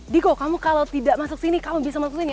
diko kamu kalau tidak masuk sini kamu bisa masuk sini